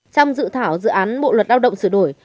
trong dự thảo dự án bộ luật lao động sửa đổi